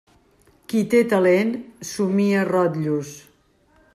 Qui té talent, somia rotllos.